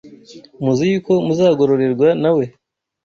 muzi yuko muzagororerwa na we